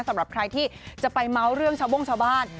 สำหรับใครที่จะไปเมาส์เรื่องชาวโบ้งชาวบ้าน